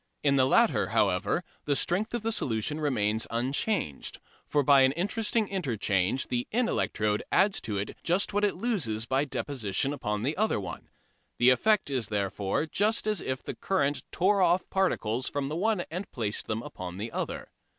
In the latter, however, the strength of the solution remains unchanged, for by an interesting interchange the in electrode adds to it just what it loses by deposition upon the other one. The effect is therefore just as if the current tore off particles from the one and placed them upon the other.